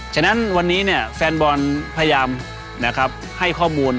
ฉะนั้นวันนี้แฟนบอลพยายามให้ข้อมูล